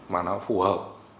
mà nó phù hợp